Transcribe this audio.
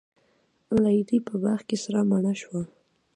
لیلی په باغ کي سره مڼه شوه